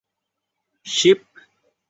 รุ่นใหม่ทีก็จะมีข้อความต้องแปลเพิ่มที